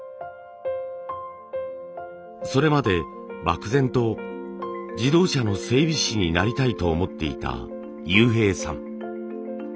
それまで漠然と自動車の整備士になりたいと思っていた悠平さん。